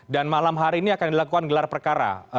dan malam hari ini akan dilakukan gelar perkara